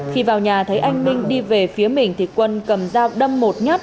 khi vào nhà thấy anh minh đi về phía mình thì quân cầm dao đâm một nhát